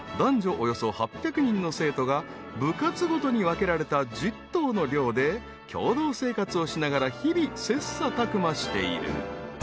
およそ８００人の生徒が部活ごとに分けられた１０棟の寮で共同生活をしながら日々切磋琢磨している］